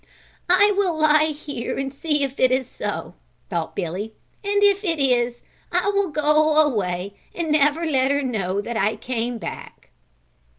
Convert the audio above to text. "I will lie here and see if it is so," thought Billy, "and if it is, I will go away and never let her know that I came back."